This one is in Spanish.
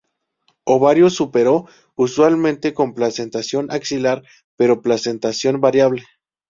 Ovario súpero, usualmente con placentación axilar, pero placentación variable.